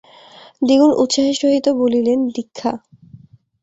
দ্বিগুণ উৎসাহের সহিত বলিলেন, দীক্ষা!